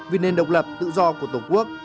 vì nền độc lập tự do của tổ quốc